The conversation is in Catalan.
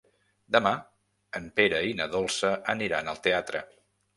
Demà en Pere i na Dolça aniran al teatre.